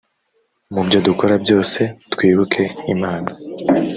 mu byo dukora byose twibuke imana